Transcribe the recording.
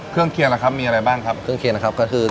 เครื่องเคียงนะครับมีอะไรบ้างครับเครื่องเคียงนะครับก็คือ